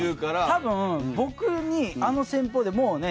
多分僕にあの戦法でもうね